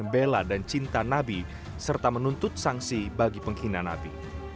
bela dan cinta nabi serta menuntut sanksi bagi penghina nabi